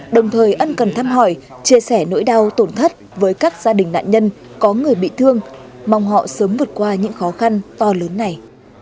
đồng thời ân cần thăm hỏi chia sẻ nỗi đau tổn thất với các gia đình nạn nhân có người bị thương mong họ sớm vượt qua những khó khăn to lớn này